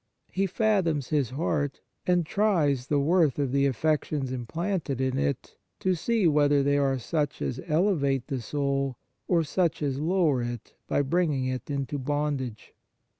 He fathoms his heart, and tries the worth of the affections implanted in it, to see whether they are such as elevate the soul or such as lower it by bringing it into bondage.